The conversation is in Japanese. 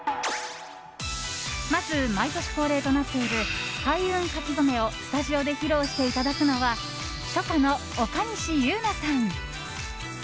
まず、毎年恒例となっている開運書き初めをスタジオで披露していただくのは書家の岡西佑奈さん。